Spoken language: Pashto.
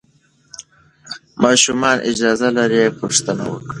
ماشومان اجازه لري پوښتنه وکړي.